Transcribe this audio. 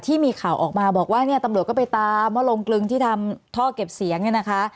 ที่มีข่าวออกมาบอกว่าเนี่ยตำรวจก็ไปตามว่าลงกลึงที่ทำท่อเก็บเสียงเนี่ยนะคะ